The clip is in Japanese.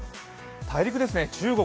大陸ですね、中国、